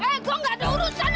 hei gua gak ada urusan sama lu